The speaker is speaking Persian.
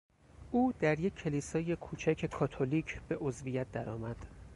او در یک کلیسای کوچک کاتولیک به عضویت درآمد.